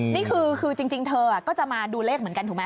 นี่คือจริงเธอก็จะมาดูเลขเหมือนกันถูกไหม